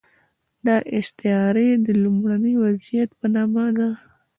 دا استعاره د لومړني وضعیت په نامه ده.